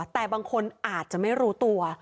แต่บางคนอาจจะไม่รู้ตัว